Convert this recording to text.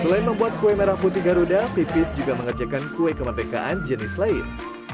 selain membuat kue merah putih garuda pipit juga mengecekkan kue kemerdekaan jenis lain